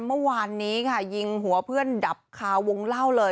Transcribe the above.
เมื่อวานนี้ค่ะยิงหัวเพื่อนดับคาวงเล่าเลย